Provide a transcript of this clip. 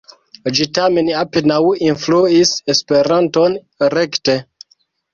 Ĝi tamen apenaŭ influis Esperanton rekte.